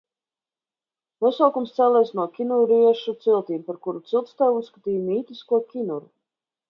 Nosaukums cēlies no kinuriešu ciltīm, par kuru ciltstēvu uzskatīja mītisko Kinuru.